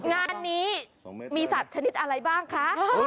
งานนี้มีสัตว์ชนิดอะไรบ้างคะ